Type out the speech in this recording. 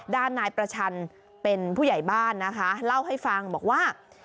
ด้านนายประชันเป็นผู้ใหญ่บ้านนะคะเล่าให้ฟังบอกว่า